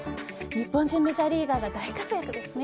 日本人メジャーリーガーが大活躍ですね。